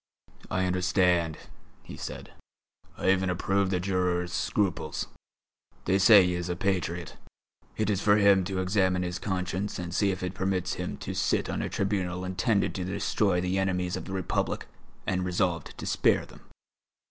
"I understand," he said, "I even approve the juror's scruples. They say he is a patriot; it is for him to examine his conscience and see if it permits him to sit on a tribunal intended to destroy the enemies of the Republic and resolved to spare them.